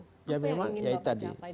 apa yang ingin bapak capai dan bapak perbaiki